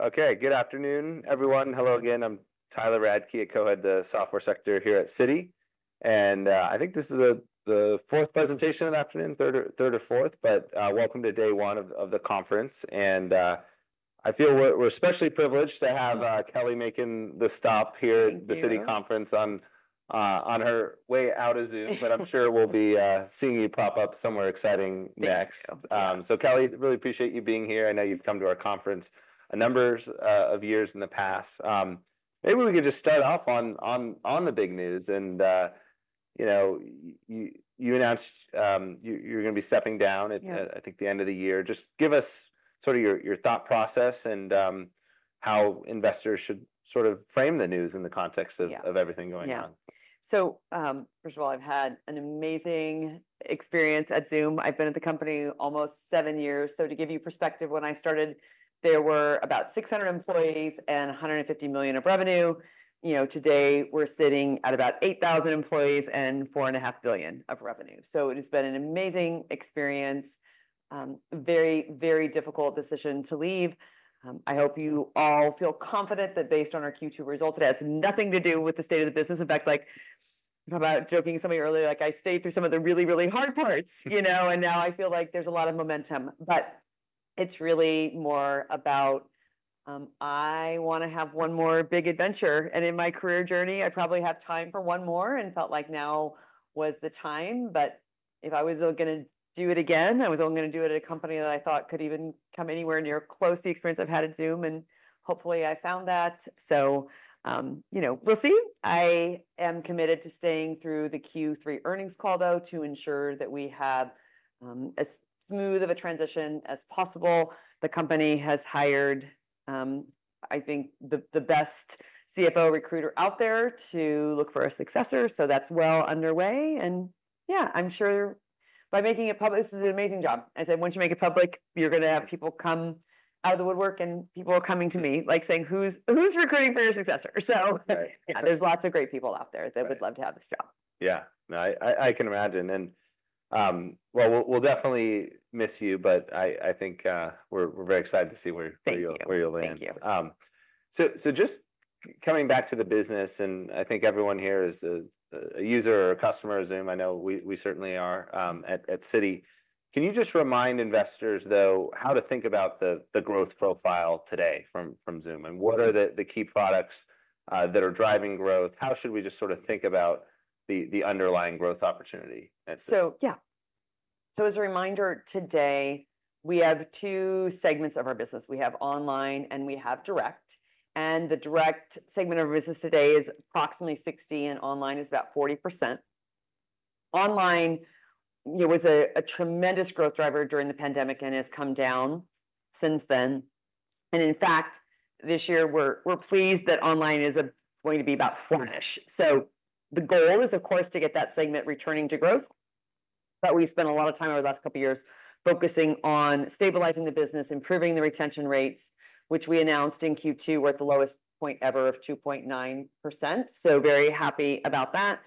Okay, good afternoon, everyone. Hello again, I'm Tyler Radke. I co-head the software sector here at Citi, and I think this is the fourth presentation of the afternoon, third or fourth, but welcome to day one of the conference. I feel we're especially privileged to have Kelly making the stop here- Thank you... at the Citi conference on her way out of Zoom. But I'm sure we'll be seeing you pop up somewhere exciting next. Thank you. So, Kelly, really appreciate you being here. I know you've come to our conference a number of years in the past. Maybe we could just start off on the big news, and you know, you announced, you're gonna be stepping down- Yeah... at, I think the end of the year. Just give us sort of your thought process and how investors should sort of frame the news in the context of- Yeah... of everything going on. Yeah. So, first of all, I've had an amazing experience at Zoom. I've been at the company almost seven years. So to give you perspective, when I started, there were about 600 employees and $150 million of revenue. You know, today we're sitting at about 8,000 employees and $4.5 billion of revenue. So it has been an amazing experience. Very, very difficult decision to leave. I hope you all feel confident that based on our Q2 results, it has nothing to do with the state of the business. In fact, like about joking with somebody earlier, like, I stayed through some of the really, really hard parts you know, and now I feel like there's a lot of momentum, but it's really more about I wanna have one more big adventure, and in my career journey, I probably have time for one more and felt like now was the time, but if I was gonna do it again, I was only gonna do it at a company that I thought could even come anywhere near close to the experience I've had at Zoom, and hopefully I found that, so you know, we'll see. I am committed to staying through the Q3 earnings call, though, to ensure that we have as smooth of a transition as possible. The company has hired, I think, the best CFO recruiter out there to look for a successor, so that's well underway. And yeah, I'm sure by making it public... This is an amazing job. I said, once you make it public, you're gonna have people come out of the woodwork, and people are coming to me, like saying, "Who's recruiting for your successor?" So. Right. Yeah, there's lots of great people out there- Right... that would love to have this job. Yeah. No, I can imagine, and well, we'll definitely miss you, but I think, we're very excited to see where- Thank you... where you'll land. Thank you. Just coming back to the business, and I think everyone here is a user or a customer of Zoom. I know we certainly are at Citi. Can you just remind investors, though, how to think about the growth profile today from Zoom? Yeah. What are the key products that are driving growth? How should we just sort of think about the underlying growth opportunity at Zoom? So yeah. So as a reminder, today we have two segments of our business: we have online, and we have direct, and the direct segment of business today is approximately 60, and online is about 40%. Online, you know, was a tremendous growth driver during the pandemic and has come down since then, and in fact, this year we're pleased that online is going to be about 40-ish, so the goal is, of course, to get that segment returning to growth, but we spent a lot of time over the last couple of years focusing on stabilizing the business, improving the retention rates, which we announced in Q2 were at the lowest point ever of 2.9%, so very happy about that.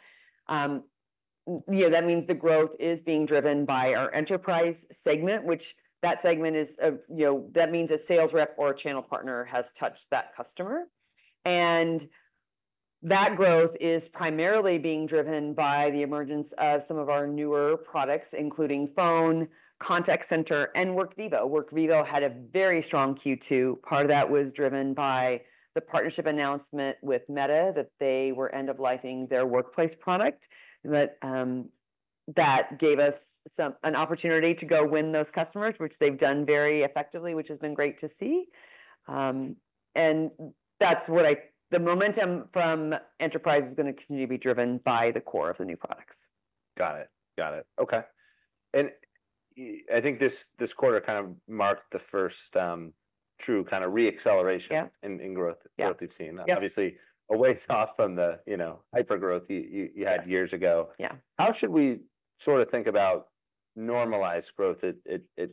Yeah, that means the growth is being driven by our enterprise segment, which that segment is, you know, that means a sales rep or a channel partner has touched that customer. And that growth is primarily being driven by the emergence of some of our newer products, including Phone, Contact Center, and Workvivo. Workvivo had a very strong Q2. Part of that was driven by the partnership announcement with Meta that they were end-of-lifing their Workplace product. That gave us an opportunity to go win those customers, which they've done very effectively, which has been great to see. That's what the momentum from enterprise is gonna continue to be driven by the core of the new products. Got it, got it. Okay, and I think this quarter kind of marked the first true kind of re-acceleration- Yeah... in growth- Yeah... growth we've seen. Yeah. Obviously, a ways off from the, you know, hyper growth you Yes... you had years ago. Yeah. How should we sort of think about normalized growth at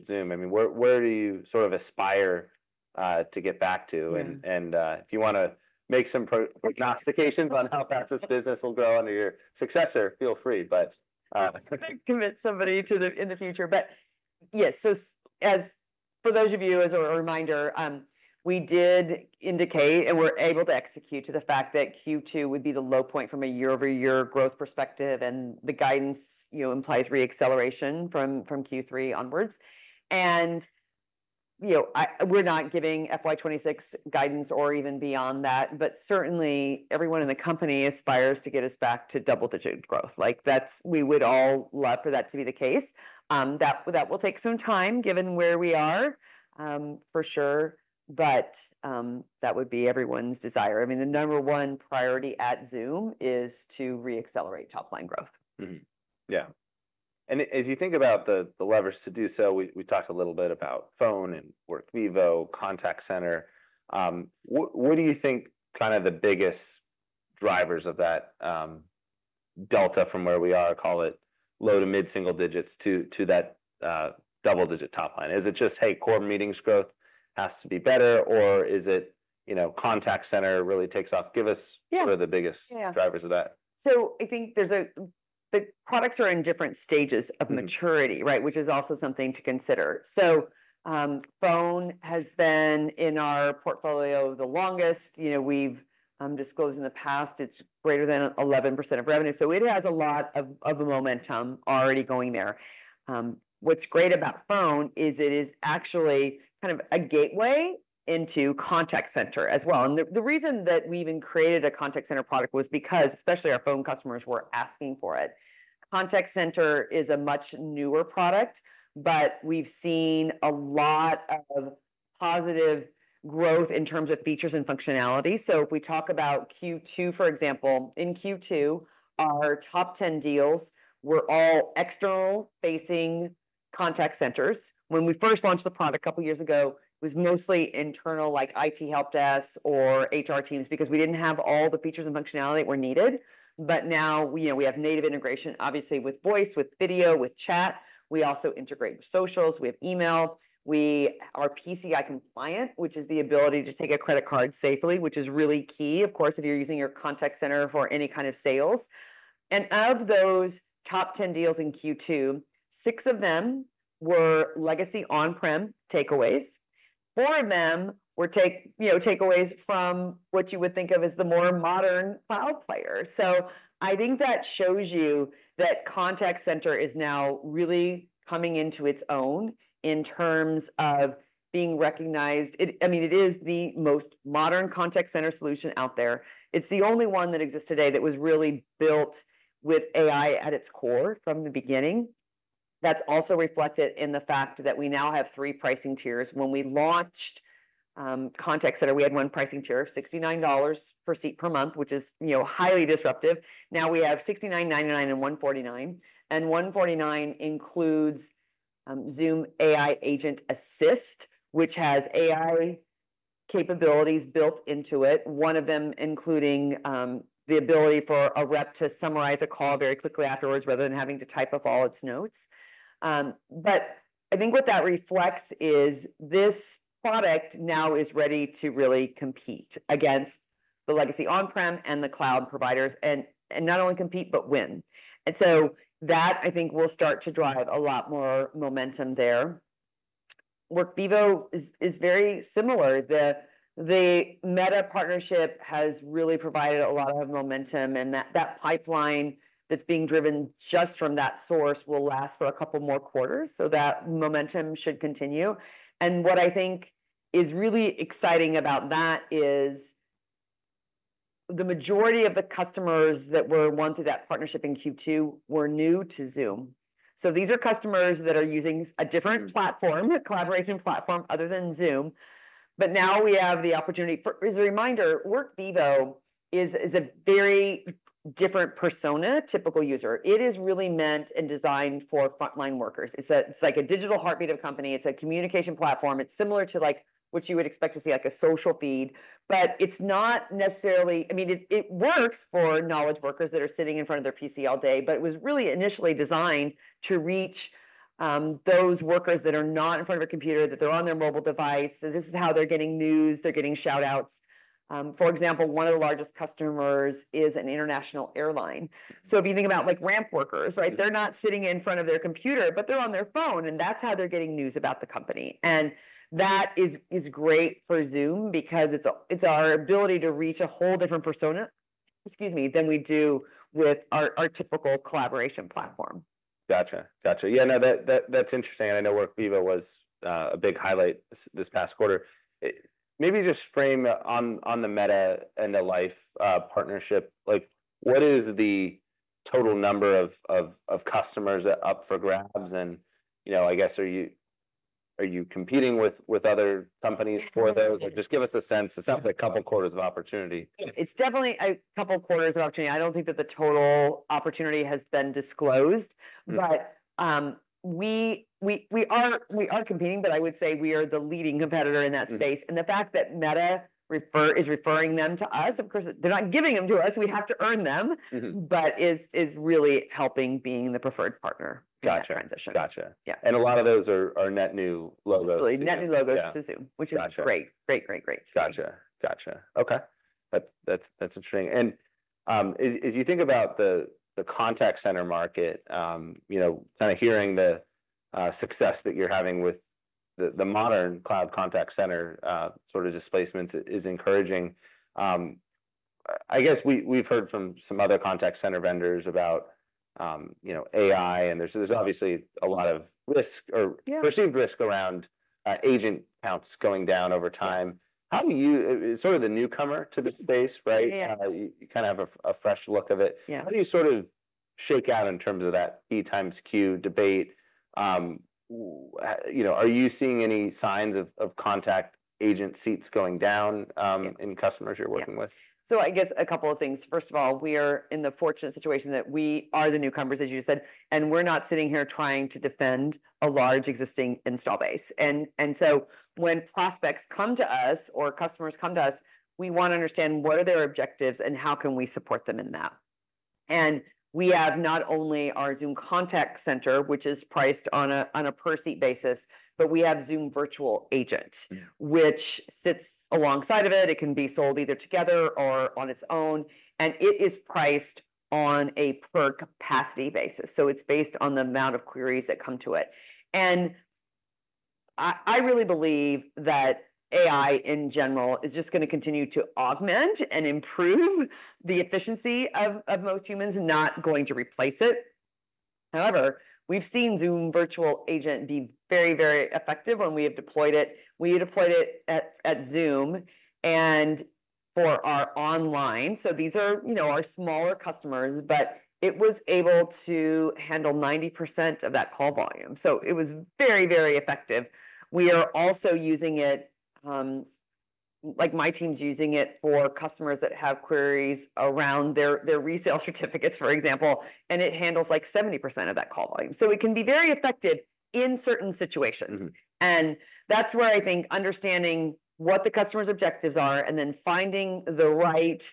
Zoom? I mean, where do you sort of aspire to get back to? Mm. If you wanna make some prognostications on how far this business will go under your successor, feel free, but Commit somebody to the, in the future, but yes, so as for those of you, as a reminder, we did indicate, and we're able to execute to the fact that Q2 would be the low point from a year-over-year growth perspective, and the guidance, you know, implies re-acceleration from Q3 onwards, and you know, we're not giving FY 2026 guidance or even beyond that, but certainly everyone in the company aspires to get us back to double-digit growth, like that's we would all love for that to be the case, that will take some time, given where we are, for sure, but that would be everyone's desire, I mean, the number one priority at Zoom is to re-accelerate top-line growth. Mm-hmm. Yeah. And as you think about the levers to do so, we talked a little bit about Phone and Workvivo, Contact Center, what do you think kind of the biggest drivers of that, delta from where we are, call it, low to mid-single digits, to that double-digit top line? Is it just, hey, core Meetings growth has to be better, or is it, you know, Contact Center really takes off? Give us- Yeah... what are the biggest- Yeah... drivers of that. So I think the products are in different stages of maturity. Mm-hmm. Right, which is also something to consider. So, Phone has been in our portfolio the longest. You know, we've disclosed in the past it's greater than 11% of revenue, so it has a lot of momentum already going there. What's great about Phone is it is actually kind of a gateway into Contact Center as well. And the reason that we even created a Contact Center product was because especially our Phone customers were asking for it. Contact Center is a much newer product, but we've seen a lot of positive growth in terms of features and functionality. So if we talk about Q2, for example, in Q2, our top 10 deals were all external-facing Contact Centers. When we first launched the product a couple years ago, it was mostly internal, like IT help desk or HR teams, because we didn't have all the features and functionality that were needed. But now, we, you know, we have native integration, obviously, with voice, with video, with chat. We also integrate with socials. We have email. We are PCI compliant, which is the ability to take a credit card safely, which is really key, of course, if you're using your Contact Center for any kind of sales. And of those top 10 deals in Q2, six of them were legacy on-prem takeaways. Four of them were takeaways from what you would think of as the more modern cloud player. So I think that shows you that Contact Center is now really coming into its own in terms of being recognized. I mean, it is the most modern Contact Center solution out there. It's the only one that exists today that was really built with AI at its core from the beginning. That's also reflected in the fact that we now have three pricing tiers. When we launched Contact Center, we had one pricing tier, $69 per seat per month, which is, you know, highly disruptive. Now, we have $69.99 and $149, and $149 includes Zoom AI Agent Assist, which has AI capabilities built into it. One of them including the ability for a rep to summarize a call very quickly afterwards, rather than having to type up all its notes. But I think what that reflects is this product now is ready to really compete against the legacy on-prem and the cloud providers, and not only compete, but win. And so that, I think, will start to drive a lot more momentum there. Workvivo is very similar. The Meta partnership has really provided a lot of momentum, and that pipeline that's being driven just from that source will last for a couple more quarters, so that momentum should continue. And what I think is really exciting about that is the majority of the customers that were won through that partnership in Q2 were new to Zoom. So these are customers that are using a different- Mm. platform, a collaboration platform other than Zoom, but now we have the opportunity for... As a reminder, Workvivo is a very different persona, typical user. It is really meant and designed for frontline workers. It's a, it's like a digital heartbeat of company. It's a communication platform. It's similar to like, what you would expect to see, like a social feed, but it's not necessarily. I mean, it works for knowledge workers that are sitting in front of their PC all day, but it was really initially designed to reach those workers that are not in front of a computer, that they're on their mobile device. So this is how they're getting news, they're getting shout-outs. For example, one of the largest customers is an international airline. So if you think about, like, ramp workers, right? Mm. They're not sitting in front of their computer, but they're on their phone, and that's how they're getting news about the company. And that is great for Zoom, because it's our ability to reach a whole different persona, excuse me, than we do with our typical collaboration platform. Gotcha, gotcha. Yeah, no, that, that's interesting, and I know Workvivo was a big highlight this past quarter. Maybe just frame on the Meta and the Workplace partnership. Like, what is the total number of customers up for grabs? And, you know, I guess, are you competing with other companies for those? Mm. Like, just give us a sense. It sounds like a couple quarters of opportunity. It's definitely a couple quarters of opportunity. I don't think that the total opportunity has been disclosed. Mm. But, we are competing, but I would say we are the leading competitor in that space. Mm. And the fact that Meta is referring them to us, of course, they're not giving them to us, we have to earn them- Mm-hmm... but is really helping being the preferred partner- Gotcha - in that transition. Gotcha. Yeah. And a lot of those are net new logos. Absolutely, net new logos- Yeah to Zoom. Gotcha. Which is great. Great, great, great. Gotcha, gotcha. Okay, that's, that's, that's interesting. And, as, as you think about the, the contact center market, you know, kind of hearing the success that you're having with the, the modern cloud Contact Center, sort of displacements is encouraging. I guess we've heard from some other contact center vendors about, you know, AI, and there's, there's obviously a lot of risk or- Yeah... perceived risk around, agent counts going down over time. How do you... As sort of the newcomer to this space, right? Yeah. You kind of have a fresh look of it. Yeah. How do you sort of shake out in terms of that P times Q debate? You know, are you seeing any signs of contact agent seats going down? Yeah... in customers you're working with? Yeah. So I guess a couple of things. First of all, we are in the fortunate situation that we are the newcomers, as you said, and we're not sitting here trying to defend a large existing installed base. And, and so when prospects come to us or customers come to us, we want to understand what are their objectives and how can we support them in that? And we have not only our Zoom Contact Center, which is priced on a per-seat basis, but we have Zoom Virtual Agent- Mm... which sits alongside of it. It can be sold either together or on its own, and it is priced on a per-capacity basis, so it's based on the amount of queries that come to it. I really believe that AI, in general, is just gonna continue to augment and improve the efficiency of most humans, not going to replace it. However, we've seen Zoom Virtual Agent be very, very effective when we have deployed it. We deployed it at Zoom and for our online, so these are, you know, our smaller customers, but it was able to handle 90% of that call volume, so it was very, very effective. We are also using it, like my team's using it for customers that have queries around their resale certificates, for example, and it handles, like, 70% of that call volume. So it can be very effective in certain situations. Mm-hmm. That's where I think understanding what the customer's objectives are, and then finding the right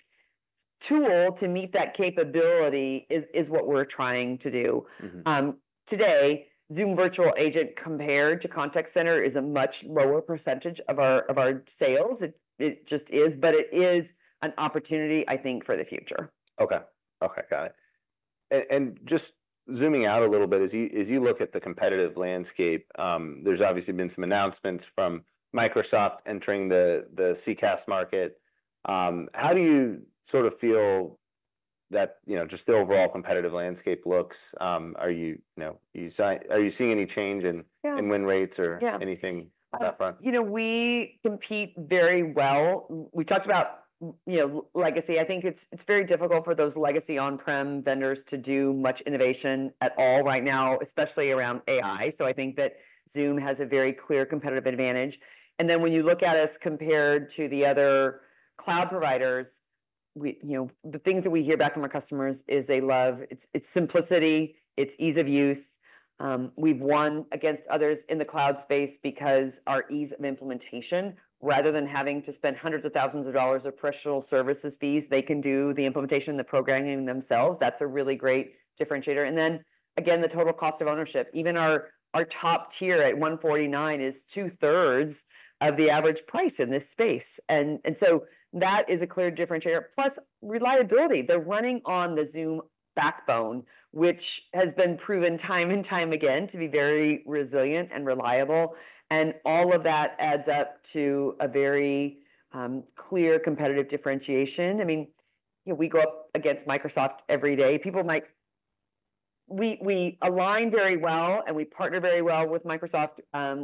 tool to meet that capability is what we're trying to do. Mm-hmm. Today, Zoom Virtual Agent, compared to Contact Center, is a much lower percentage of our sales. It just is, but it is an opportunity, I think, for the future. Okay. Okay, got it. And just zooming out a little bit, as you look at the competitive landscape, there's obviously been some announcements from Microsoft entering the CCaaS market. How do you sort of feel that, you know, just the overall competitive landscape looks? Are you, you know, seeing any change in- Yeah... in win rates or- Yeah... anything on that front? You know, we compete very well. We talked about, you know, legacy. I think it's very difficult for those legacy on-prem vendors to do much innovation at all right now, especially around AI, so I think that Zoom has a very clear competitive advantage. And then, when you look at us compared to the other cloud providers, we, you know, the things that we hear back from our customers is they love its simplicity, its ease of use. We've won against others in the cloud space because our ease of implementation, rather than having to spend hundreds of thousands of dollars of professional services fees, they can do the implementation and the programming themselves. That's a really great differentiator. And then, again, the total cost of ownership. Even our top tier at $149 is two-thirds of the average price in this space, and so that is a clear differentiator. Plus, reliability. They're running on the Zoom backbone, which has been proven time and time again to be very resilient and reliable, and all of that adds up to a very clear competitive differentiation. I mean, you know, we go up against Microsoft every day. We align very well, and we partner very well with Microsoft.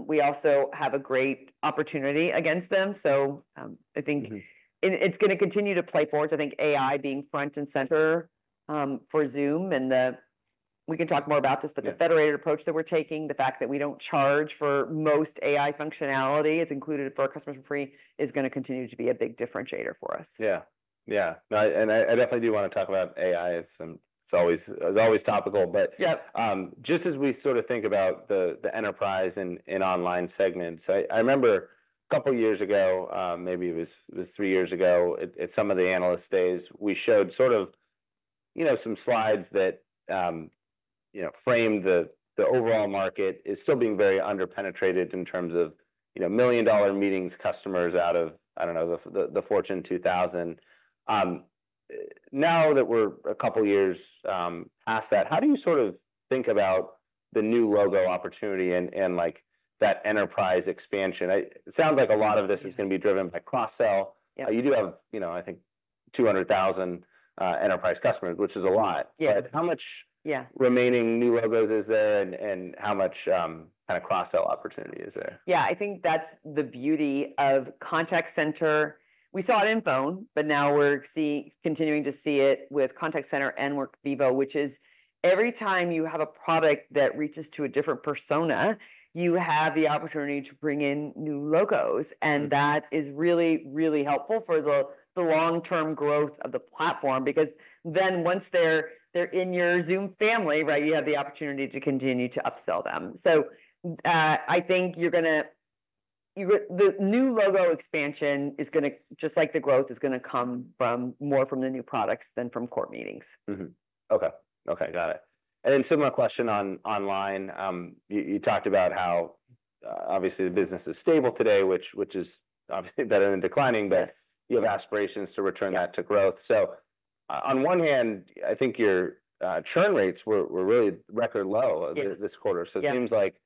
We also have a great opportunity against them, so I think- Mm-hmm... and it's gonna continue to play forward. I think AI being front and center for Zoom, and we can talk more about this- Yeah... but the federated approach that we're taking, the fact that we don't charge for most AI functionality, it's included for our customers for free, is gonna continue to be a big differentiator for us. Yeah. Yeah, no, and I definitely do wanna talk about AI. It's always topical. But- Yeah... just as we sorta think about the enterprise and online segments, I remember a couple years ago, maybe it was three years ago, at some of the analyst days, we showed sort of, you know, some slides that, you know, framed the overall market as still being very under-penetrated in terms of, you know, million-dollar meetings, customers out of, I don't know, the Fortune two thousand. Now that we're a couple years past that, how do you sort of think about the new logo opportunity and, like, that enterprise expansion? It sounds like a lot of this- Yeah... is gonna be driven by cross-sell. Yeah. You do have, you know, I think 200,000 enterprise customers, which is a lot. Yeah. How much- Yeah... remaining new logos is there, and how much kind of cross-sell opportunity is there? Yeah, I think that's the beauty of Contact Center. We saw it in Phone, but now we're seeing, continuing to see it with Contact Center and Workvivo, which is, every time you have a product that reaches to a different persona, you have the opportunity to bring in new logos. Mm-hmm. That is really, really helpful for the long-term growth of the platform because then, once they're in your Zoom family, right, you have the opportunity to continue to upsell them. I think the new logo expansion is gonna, just like the growth, is gonna come from more the new products than from core meetings. Mm-hmm. Okay. Okay, got it. And then similar question on online. You talked about how obviously the business is stable today, which is obviously better than declining- Yes... but you have aspirations to return that- Yeah... to growth. So on one hand, I think your churn rates were really record low- Yeah... this quarter. Yeah. So it seems like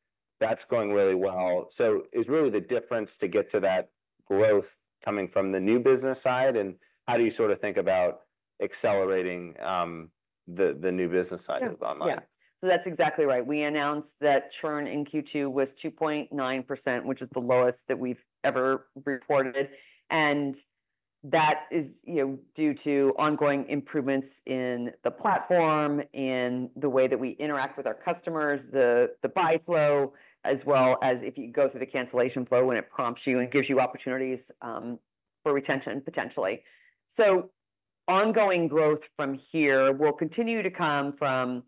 that's going really well. So is really the difference to get to that growth coming from the new business side, and how do you sorta think about accelerating the new business side of online? Yeah. Yeah, so that's exactly right. We announced that churn in Q2 was 2.9%, which is the lowest that we've ever reported, and that is, you know, due to ongoing improvements in the platform, in the way that we interact with our customers, the, the buy flow, as well as if you go through the cancellation flow, when it prompts you and gives you opportunities, for retention, potentially. So ongoing growth from here will continue to come from,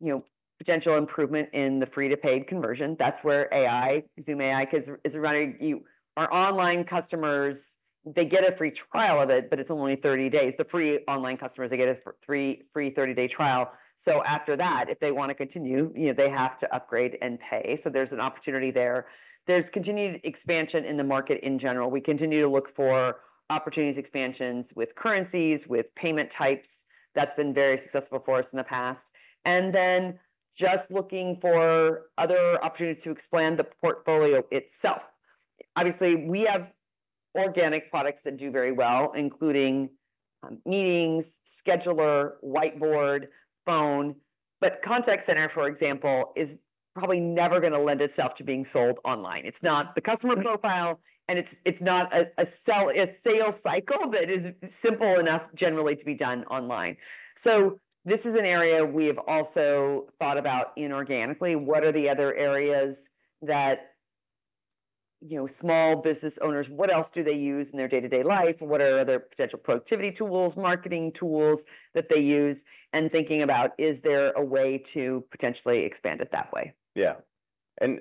you know, potential improvement in the free-to-paid conversion. That's where AI, Zoom AI, 'cause it's running, our online customers, they get a free trial of it, but it's only 30 days. The free online customers, they get a free 30-day trial, so after that, if they wanna continue, you know, they have to upgrade and pay. So there's an opportunity there. There's continued expansion in the market in general. We continue to look for opportunities, expansions with currencies, with payment types. That's been very successful for us in the past, and then, just looking for other opportunities to expand the portfolio itself. Obviously, we have organic products that do very well, including Meetings, Scheduler, Whiteboard, Phone, but Contact Center, for example, is probably never gonna lend itself to being sold online. It's not the customer profile, and it's not a sales cycle that is simple enough generally to be done online, so this is an area we have also thought about inorganically. What are the other areas that, you know, small business owners, what else do they use in their day-to-day life? What are other potential productivity tools, marketing tools that they use, and thinking about, is there a way to potentially expand it that way? Yeah. And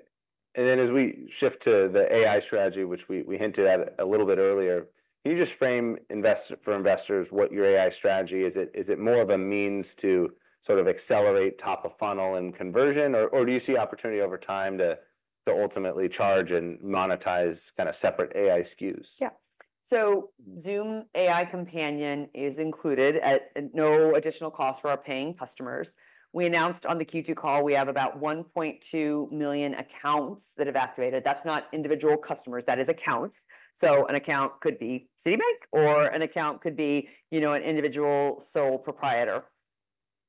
then as we shift to the AI strategy, which we hinted at a little bit earlier, can you just frame it for investors what your AI strategy is? Is it more of a means to sort of accelerate top of funnel and conversion, or do you see opportunity over time to ultimately charge and monetize kinda separate AI SKUs? Yeah. So Zoom AI Companion is included at no additional cost for our paying customers. We announced on the Q2 call, we have about one point 2 million accounts that have activated. That's not individual customers, that is accounts. So an account could be Citibank, or an account could be, you know, an individual sole proprietor,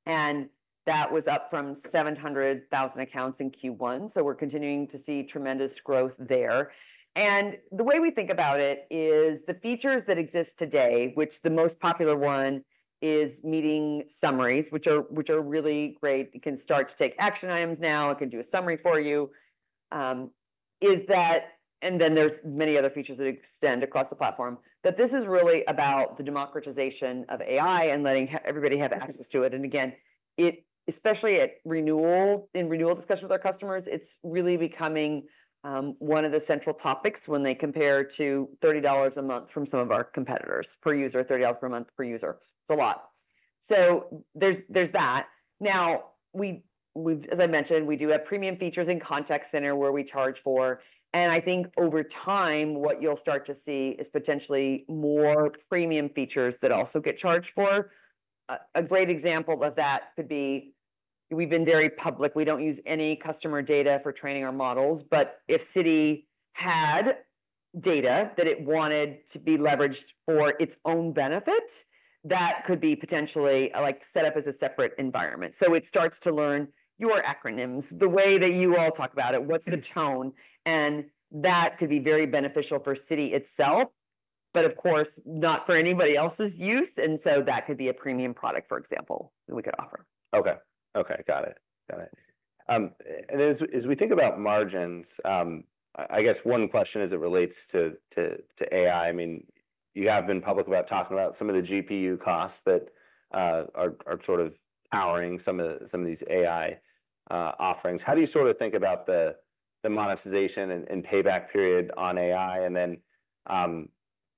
and that was up from seven hundred thousand accounts in Q1, so we're continuing to see tremendous growth there. And the way we think about it is the features that exist today, which the most popular one is meeting summaries, which are really great. It can start to take action items now, it can do a summary for you. And then there's many other features that extend across the platform. But this is really about the democratization of AI and letting everybody have access to it. And again, especially at renewal, in renewal discussions with our customers, it's really becoming one of the central topics when they compare to $30 a month from some of our competitors. Per user, $30 per month per user. It's a lot. So there's that. Now, as I mentioned, we do have premium features in Contact Center where we charge for, and I think over time, what you'll start to see is potentially more premium features that also get charged for. A great example of that could be, we've been very public. We don't use any customer data for training our models, but if Citi had data that it wanted to be leveraged for its own benefit, that could be potentially, like, set up as a separate environment. So it starts to learn your acronyms, the way that you all talk about it, what's the tone? And that could be very beneficial for Citi itself, but of course, not for anybody else's use, and so that could be a premium product, for example, we could offer. Okay. Got it. And as we think about margins, I guess one question as it relates to AI. I mean, you have been public about talking about some of the GPU costs that are sort of powering some of these AI offerings. How do you sort of think about the monetization and payback period on AI? And then,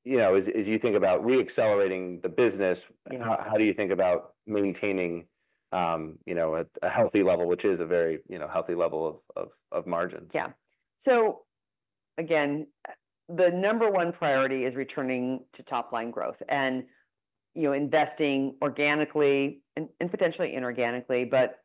you know, as you think about re-accelerating the business- Yeah... how do you think about maintaining, you know, a healthy level, which is a very, you know, healthy level of margins? Yeah. So again, the number one priority is returning to top-line growth and, you know, investing organically and potentially inorganically, but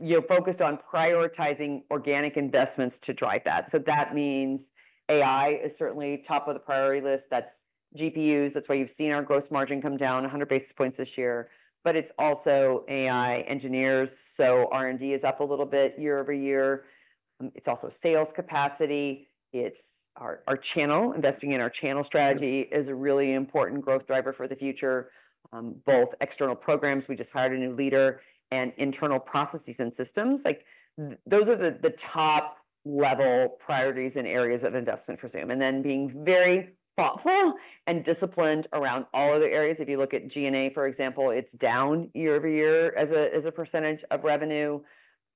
you're focused on prioritizing organic investments to drive that. So that means AI is certainly top of the priority list. That's GPUs. That's why you've seen our gross margin come down a hundred basis points this year, but it's also AI engineers, so R&D is up a little bit year over year. It's also sales capacity. It's our channel, investing in our channel strategy- Mm... is a really important growth driver for the future. Both external programs, we just hired a new leader, and internal processes and systems. Like, those are the top-level priorities and areas of investment for Zoom, and then being very thoughtful and disciplined around all other areas. If you look at G&A, for example, it's down year over year as a percentage of revenue.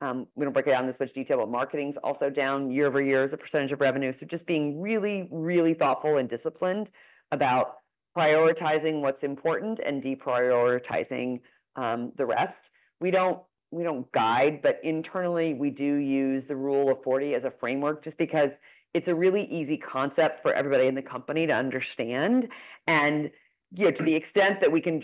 We don't break it down in this much detail, but marketing's also down year over year as a percentage of revenue. So just being really, really thoughtful and disciplined about prioritizing what's important and deprioritizing the rest. We don't guide, but internally, we do use the Rule of 40 as a framework, just because it's a really easy concept for everybody in the company to understand. You know, to the extent that we can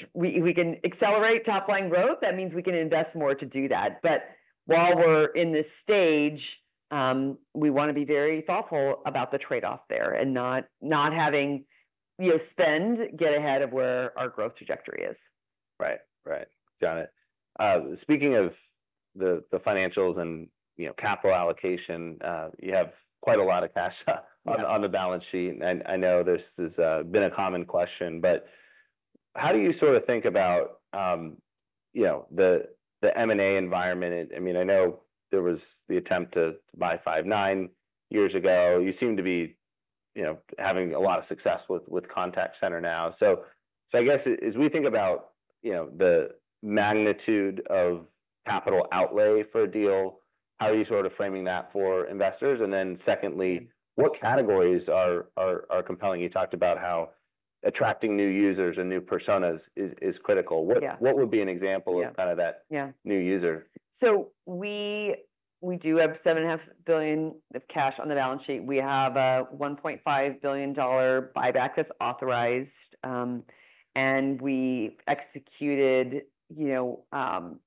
accelerate top-line growth, that means we can invest more to do that. But while we're in this stage, we wanna be very thoughtful about the trade-off there and not having, you know, spend get ahead of where our growth trajectory is. Right. Right, got it. Speaking of the financials and, you know, capital allocation, you have quite a lot of cash on- Yeah... on the balance sheet. And I know this has been a common question, but how do you sort of think about, you know, the M&A environment? I mean, I know there was the attempt to buy Five9 years ago. You seem to be, you know, having a lot of success with Contact Center now. So I guess as we think about, you know, the magnitude of capital outlay for a deal, how are you sort of framing that for investors? And then secondly, what categories are compelling? You talked about how attracting new users and new personas is critical. Yeah. What would be an example- Yeah... of kind of that. Yeah... new user? So we do have $7.5 billion of cash on the balance sheet. We have a $1.5 billion buyback that's authorized. And we executed, you know, four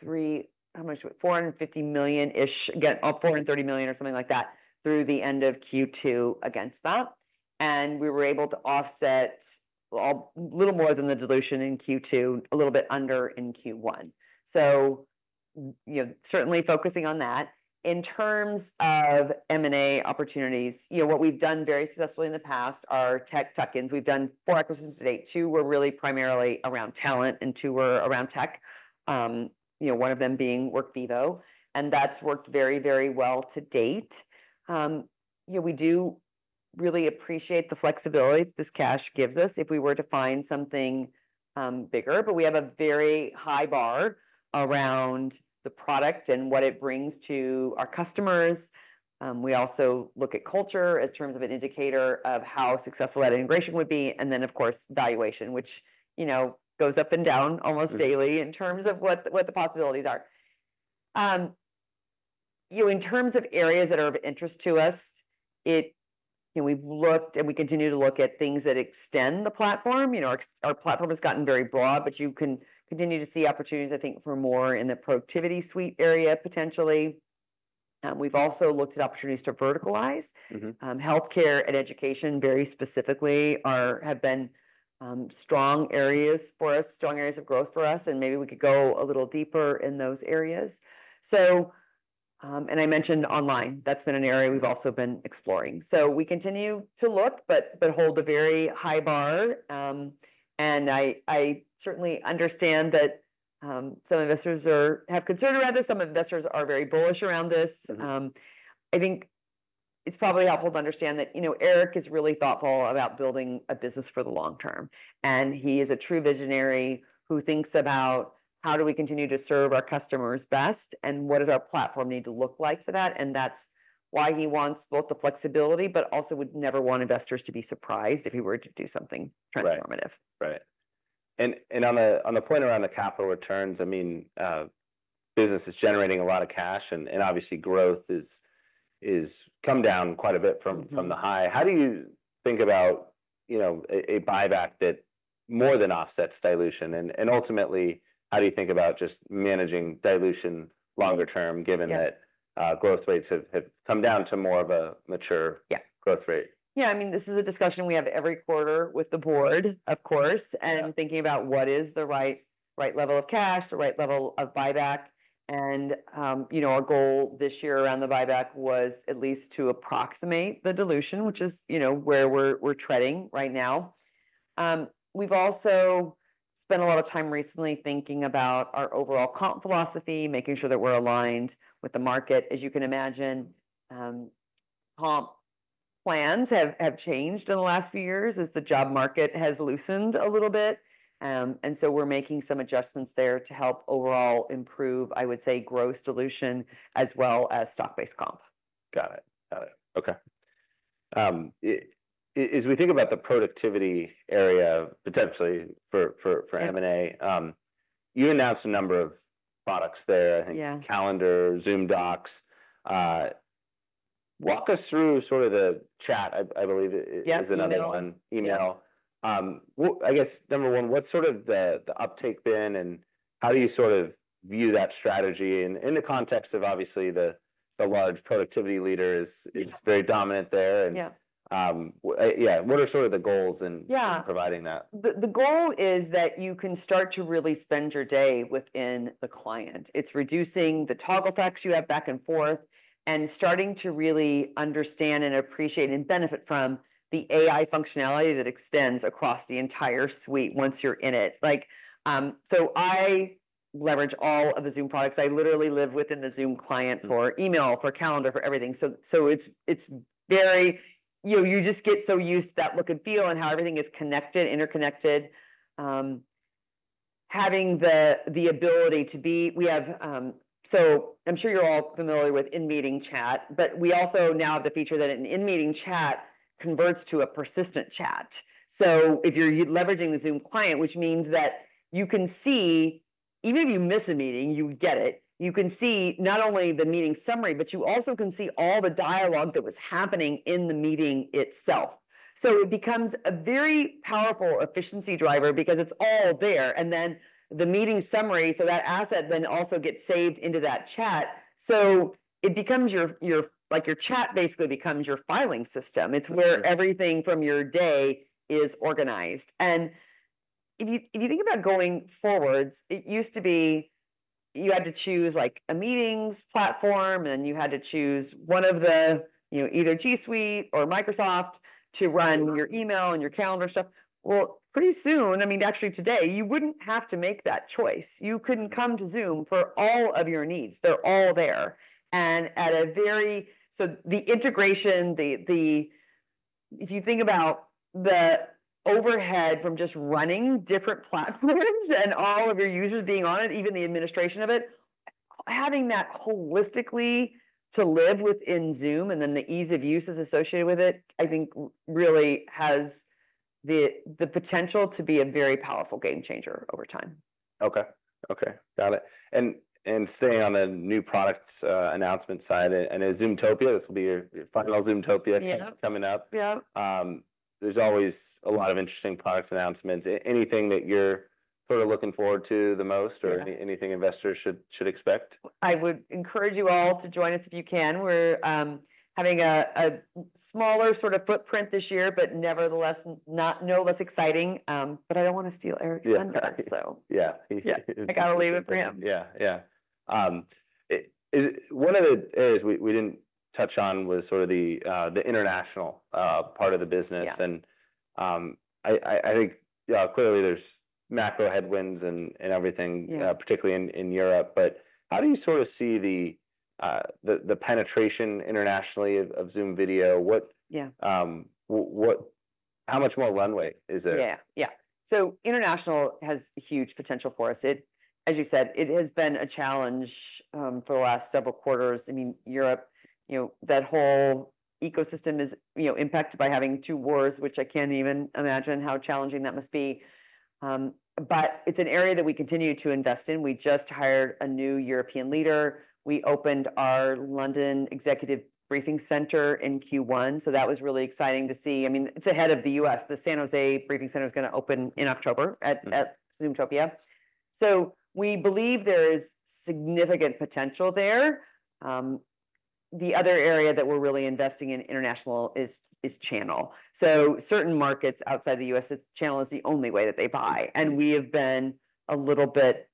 hundred and fifty million-ish, again, 430 million or something like that, through the end of Q2 against that, and we were able to offset all, a little more than the dilution in Q2, a little bit under in Q1. So, you know, certainly focusing on that. In terms of M&A opportunities, you know, what we've done very successfully in the past are tech tuck-ins. We've done four acquisitions to date. Two were really primarily around talent, and two were around tech. You know, one of them being Workvivo, and that's worked very, very well to date. You know, we do really appreciate the flexibility this cash gives us if we were to find something bigger, but we have a very high bar around the product and what it brings to our customers. We also look at culture in terms of an indicator of how successful that integration would be, and then, of course, valuation, which, you know, goes up and down almost- Mm... daily in terms of what the possibilities are. You know, in terms of areas that are of interest to us, you know, we've looked, and we continue to look at things that extend the platform. You know, our platform has gotten very broad, but you can continue to see opportunities, I think, for more in the productivity suite area, potentially. We've also looked at opportunities to verticalize. Mm-hmm. Healthcare and education, very specifically, have been strong areas for us, strong areas of growth for us, and maybe we could go a little deeper in those areas. And I mentioned online. That's been an area- Mm... we've also been exploring. So we continue to look, but hold a very high bar. And I certainly understand that some investors have concern around this. Some investors are very bullish around this. I think it's probably helpful to understand that, you know, Eric is really thoughtful about building a business for the long term, and he is a true visionary who thinks about: How do we continue to serve our customers best, and what does our platform need to look like for that? And that's why he wants both the flexibility, but also would never want investors to be surprised if he were to do something transformative. Right. Right. And on a point around the capital returns, I mean, business is generating a lot of cash, and obviously growth is come down quite a bit from- Mm... from the high. How do you think about, you know, a buyback that more than offsets dilution? And ultimately, how do you think about just managing dilution longer term, given that- Yeah... growth rates have come down to more of a mature- Yeah... growth rate? Yeah, I mean, this is a discussion we have every quarter with the board, of course. Yeah... and thinking about what is the right level of cash, the right level of buyback. And, you know, our goal this year around the buyback was at least to approximate the dilution, which is, you know, where we're treading right now. We've also spent a lot of time recently thinking about our overall comp philosophy, making sure that we're aligned with the market. As you can imagine, comp plans have changed in the last few years as the job market has loosened a little bit. And so we're making some adjustments there to help overall improve, I would say, growth dilution as well as stock-based comp. Got it. Got it. Okay. As we think about the productivity area, potentially for M&A- Yeah... you announced a number of products there- Yeah... I think Calendar, Zoom Docs. Walk us through sort of the chat, I believe it- Yeah, email... is another one. Email. Yeah. I guess, number one, what's sort of the uptake been, and how do you sort of view that strategy in the context of obviously the large productivity leaders? Yeah. It's very dominant there, and- Yeah... yeah, what are sort of the goals in- Yeah... providing that? The goal is that you can start to really spend your day within the client. It's reducing the toggle effects you have back and forth and starting to really understand and appreciate and benefit from the AI functionality that extends across the entire suite once you're in it. Like, so I leverage all of the Zoom products. I literally live within the Zoom client- Mm... for email, for calendar, for everything. So, so it's, it's very, you know, you just get so used to that look and feel and how everything is connected, interconnected. Having the, the ability, we have. So I'm sure you're all familiar with in-meeting chat, but we also now have the feature that an in-meeting chat converts to a persistent chat. So if you're leveraging the Zoom client, which means that you can see, even if you miss a meeting, you get it. You can see not only the meeting summary, but you also can see all the dialogue that was happening in the meeting itself. So it becomes a very powerful efficiency driver because it's all there, and then the meeting summary, so that asset then also gets saved into that chat. So it becomes your like, your chat basically becomes your filing system. Mm. It's where everything from your day is organized, and if you think about going forwards, it used to be you had to choose, like, a meetings platform, and then you had to choose one of the, you know, either G Suite or Microsoft to run- Mm... your email and your calendar stuff. Well, pretty soon, I mean, actually today, you wouldn't have to make that choice. You can come to Zoom for all of your needs. They're all there, and at a very... So the integration, the, if you think about the overhead from just running different platforms and all of your users being on it, even the administration of it, having that holistically to live within Zoom, and then the ease of use that's associated with it, I think really has the potential to be a very powerful game changer over time. Okay. Got it. And staying on the new products announcement side, I know Zoomtopia, this will be your final Zoomtopia- Yeah... coming up. Yeah. There's always a lot of interesting product announcements. Anything that you're sort of looking forward to the most or anything investors should expect? I would encourage you all to join us if you can. We're having a smaller sort of footprint this year, but nevertheless, not no less exciting, but I don't wanna steal Eric's thunder- Yeah. So. Yeah. He- Yeah. I gotta leave it for him. Yeah, yeah. One of the areas we didn't touch on was sort of the international part of the business. Yeah. I think clearly there's macro headwinds and everything. Yeah... particularly in Europe, but how do you sort of see the penetration internationally of Zoom Video? Yeah. What... How much more runway is there? Yeah, yeah. So international has huge potential for us. It, as you said, it has been a challenge for the last several quarters. I mean, Europe, you know, that whole ecosystem is, you know, impacted by having two wars, which I can't even imagine how challenging that must be. But it's an area that we continue to invest in. We just hired a new European leader. We opened our London Executive Briefing Center in Q1, so that was really exciting to see. I mean, it's ahead of the U.S. The San Jose Briefing Center is gonna open in October at Zoomtopia. So we believe there is significant potential there. The other area that we're really investing in international is channel. So certain markets outside the U.S., channel is the only way that they buy, and we have been a little bit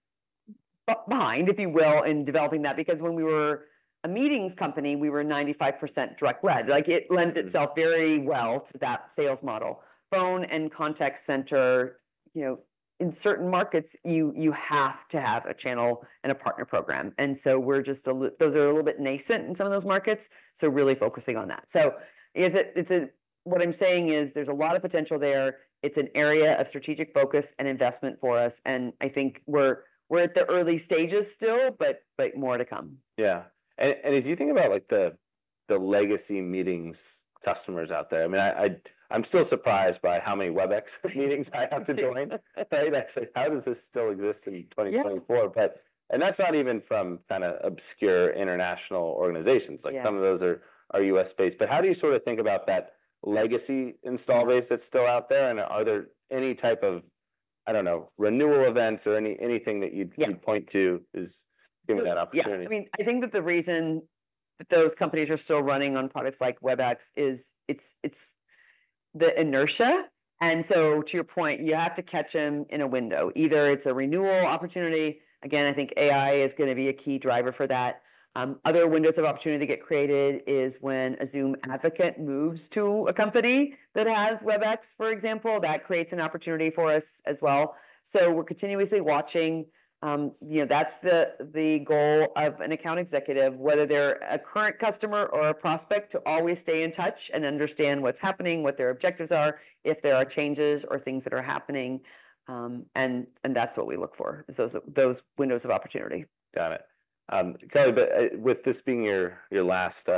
behind, if you will, in developing that, because when we were a meetings company, we were 95% direct led. Like, it lent itself- Mm... very well to that sales model. Phone and Contact Center, you know, in certain markets, you have to have a channel and a partner program, and so we're just those are a little bit nascent in some of those markets, so really focusing on that. What I'm saying is there's a lot of potential there. It's an area of strategic focus and investment for us, and I think we're at the early stages still, but more to come. Yeah. And as you think about, like, the legacy meetings customers out there, I mean, I'm still surprised by how many Webex meetings I have to join, right? I say, "How does this still exist in 2024? Yeah. But, and that's not even from kind of obscure international organizations. Yeah. Like, some of those are US-based, but how do you sort of think about that legacy installed base that's still out there, and are there any type of, I don't know, renewal events or anything that you'd- Yeah... you'd point to is giving that opportunity? Yeah, I mean, I think that the reason that those companies are still running on products like Webex is it's the inertia, and so to your point, you have to catch them in a window. Either it's a renewal opportunity. Again, I think AI is gonna be a key driver for that. Other windows of opportunity that get created is when a Zoom advocate moves to a company that has Webex, for example. That creates an opportunity for us as well. So we're continuously watching. You know, that's the goal of an account executive, whether they're a current customer or a prospect, to always stay in touch and understand what's happening, what their objectives are, if there are changes or things that are happening. And that's what we look for, is those windows of opportunity. Got it. Kelly, but with this being your last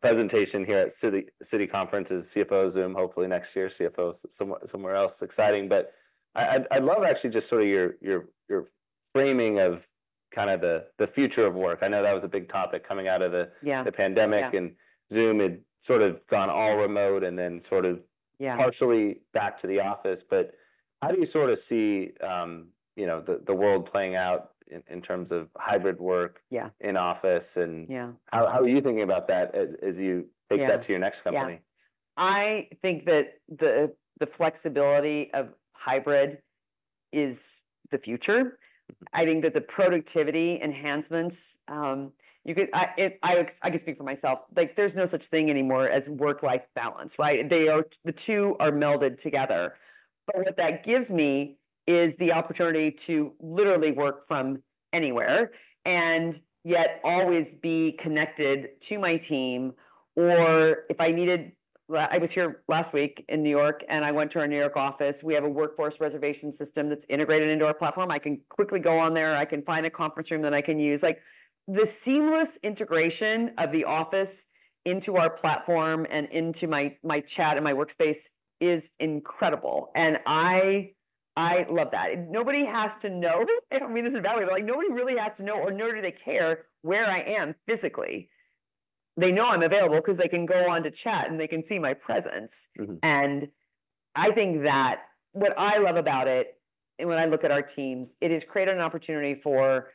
presentation here at Citi conferences, CFO Zoom, hopefully next year, CFO somewhere else exciting. But I'd love actually just sort of your framing of kind of the future of work. I know that was a big topic coming out of the- Yeah... the pandemic. Yeah. Zoom had sort of gone all remote and then sort of... Yeah... partially back to the office. But how do you sort of see, you know, the world playing out in terms of hybrid work- Yeah... in office, and- Yeah... how are you thinking about that as you- Yeah... take that to your next company? Yeah. I think that the flexibility of hybrid is the future. Mm-hmm. I think that the productivity enhancements. I can speak for myself, like, there's no such thing anymore as work-life balance, right? The two are melded together. But what that gives me is the opportunity to literally work from anywhere, and yet always be connected to my team. I was here last week in New York, and I went to our New York office. We have a Workspace reservation system that's integrated into our platform. I can quickly go on there. I can find a conference room that I can use. Like, the seamless integration of the office into our platform and into my chat, and my workspace, is incredible, and I love that. Nobody has to know. I don't mean this as value, but, like, nobody really has to know, or nor do they care, where I am physically. They know I'm available 'cause they can go onto chat, and they can see my presence. Mm-hmm. And I think that what I love about it, and when I look at our teams, it has created an opportunity for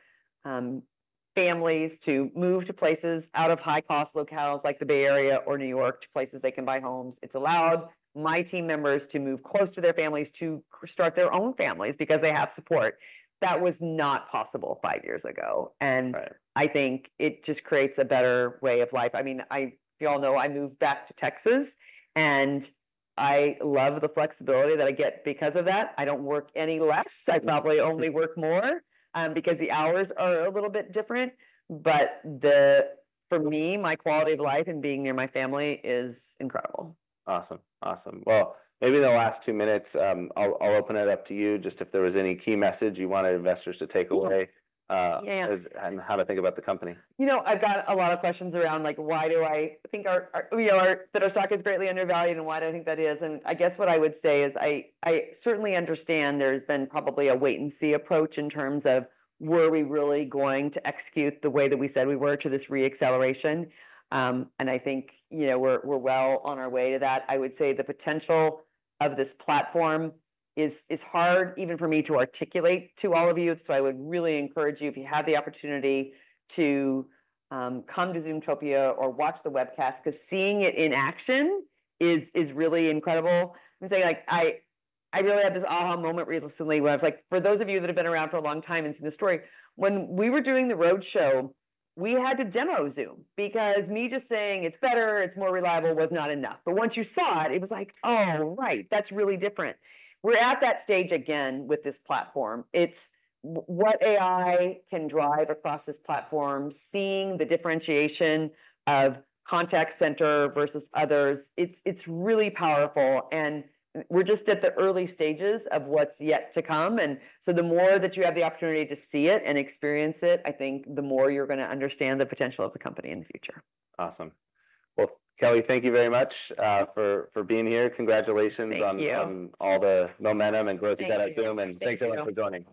families to move to places out of high-cost locales like the Bay Area or New York, to places they can buy homes. It's allowed my team members to move close to their families, to start their own families, because they have support. That was not possible five years ago, and- Right ... I think it just creates a better way of life. I mean, I, you all know, I moved back to Texas, and I love the flexibility that I get because of that. I don't work any less. I probably only work more, because the hours are a little bit different. But for me, my quality of life and being near my family is incredible. Awesome, awesome. Well, maybe in the last two minutes, I'll open it up to you, just if there was any key message you wanted investors to take away- Yeah... as and how to think about the company. You know, I've got a lot of questions around like, why do I think our stock is greatly undervalued, and why do I think that is? And I guess what I would say is I certainly understand there's been probably a wait and see approach in terms of whether we're really going to execute the way that we said we were to this re-acceleration. And I think, you know, we're well on our way to that. I would say the potential of this platform is hard even for me to articulate to all of you. So I would really encourage you, if you have the opportunity to, come to Zoomtopia or watch the webcast, 'cause seeing it in action is really incredible. Let me tell you, like, I really had this aha moment recently where I was like... For those of you that have been around for a long time and seen the story, when we were doing the road show, we had to demo Zoom, because me just saying, "It's better, it's more reliable," was not enough. But once you saw it, it was like- Yeah Oh, right, that's really different." We're at that stage again with this platform. It's what AI can drive across this platform, seeing the differentiation of Contact Center versus others. It's really powerful, and we're just at the early stages of what's yet to come. And so the more that you have the opportunity to see it and experience it, I think the more you're gonna understand the potential of the company in the future. Awesome. Well, Kelly, thank you very much for being here. Congratulations- Thank you... on all the momentum and growth you've had at Zoom- Thank you... and thanks so much for joining.